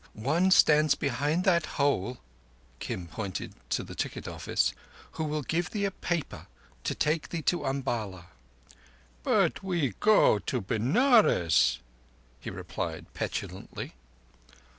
One stands behind that hole"—Kim pointed to the ticket office—"who will give thee a paper to take thee to Umballa." "But we go to Benares," he replied petulantly.